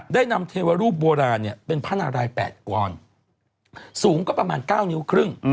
ได้นำเทวรูปโบราณเป็นพระนาราย๘ก้อนสูงก็ประมาณ๙นิ้วครึ่ง